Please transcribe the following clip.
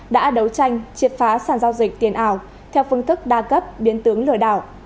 đã đấu tranh triệt phá sản giao dịch tiền ảo theo phương thức đa cấp biến tướng lừa đảo